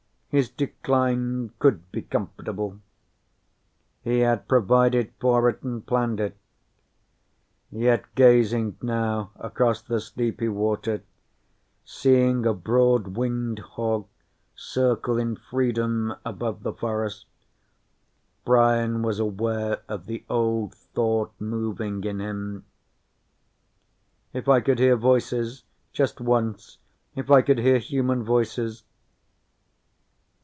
His decline could be comfortable. He had provided for it and planned it. Yet gazing now across the sleepy water, seeing a broad winged hawk circle in freedom above the forest, Brian was aware of the old thought moving in him: "If I could hear voices just once, if I could hear human voices...."